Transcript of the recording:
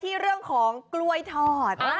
ที่เรื่องของกล้วยทอด